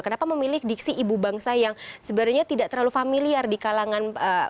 kenapa memilih diksi ibu bangsa yang sebenarnya tidak terlalu familiar di kalangan